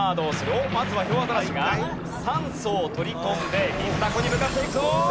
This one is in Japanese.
おっまずはヒョウアザラシが酸素を取り込んでミズダコに向かっていくぞ！